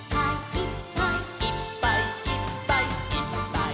「いっぱいいっぱいいっぱいいっぱい」